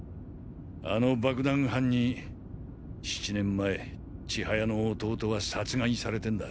あの爆弾犯に７年前千速の弟は殺害されてんだ。